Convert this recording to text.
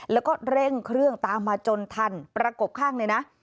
แล้วก็เร่งเครื่องตามมาจนทันประกบข้างเลยนะ